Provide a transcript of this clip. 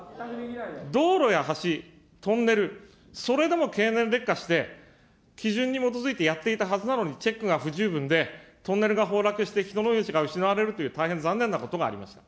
道路や橋、トンネル、それでも経年劣化して、基準に基づいてやっていたはずなのに、チェックが不十分で、トンネルが崩落して、人の命が失われるという大変残念なことがありました。